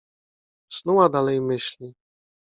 Snuła dalej myśli.